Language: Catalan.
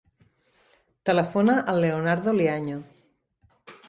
Telefona al Leonardo Liaño.